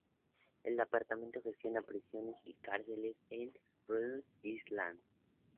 El departamento gestiona prisiones y cárceles en Rhode Island.